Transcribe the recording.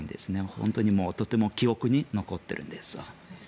本当にとても記憶に残っているんです。